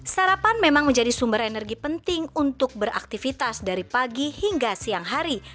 sarapan memang menjadi sumber energi penting untuk beraktivitas dari pagi hingga siang hari